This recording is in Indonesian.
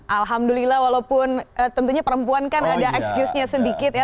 alhamdulillah walaupun tentunya perempuan kan ada excuse nya sedikit ya